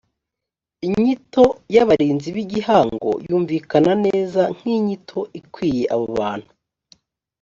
inyito y abarinzi b igihango yumvikana neza nk inyito ikwiye abo bantu